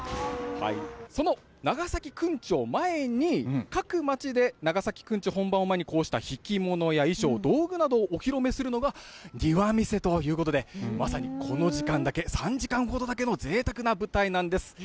その長崎くんちを前に、各町で長崎くんち本番を前にこうした曳物や衣装、道具などをお披露目するのが、庭見世ということで、まさにこの時間だけ、３時間ほどだけのぜいたくな舞台なんです。